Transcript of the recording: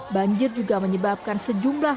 banjir juga menyebabkan sejumlah